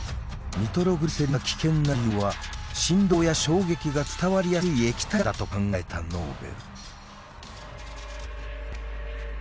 ニトログリセリンが危険な理由は振動や衝撃が伝わりやすい「液体」だからだと考えたノーベル。